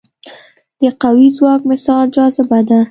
د قوي ځواک مثال جاذبه ده.